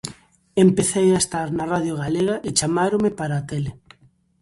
Empecei a estar na radio galega e chamáronme para a tele.